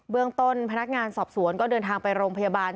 เรื่องต้นพนักงานสอบสวนก็เดินทางไปโรงพยาบาล